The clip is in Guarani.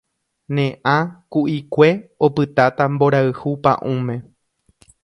Ne ã ku'ikue opytáta mborayhu pa'ũme